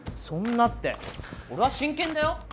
そんなって俺は真剣だよ！